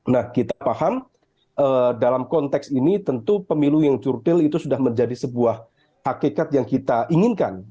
nah kita paham dalam konteks ini tentu pemilu yang curtil itu sudah menjadi sebuah hakikat yang kita inginkan